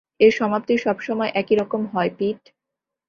এর সমাপ্তি সবসময় একইরকম হয়, পিট।